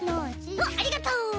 おっありがとう！